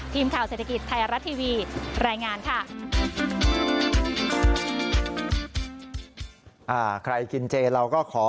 ทีมข่าวเศรษฐกิจไทยรัฐทีวีรายงานค่ะ